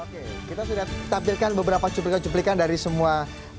oke kita sudah tampilkan beberapa cuplikan cuplikan dari semua